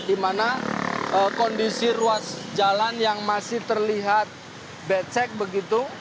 di mana kondisi ruas jalan yang masih terlihat becek begitu